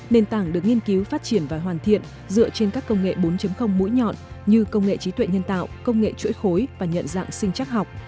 nền tảng được nghiên cứu phát triển và hoàn thiện dựa trên các công nghệ bốn mũi nhọn như công nghệ trí tuệ nhân tạo công nghệ chuỗi khối và nhận dạng sinh chắc học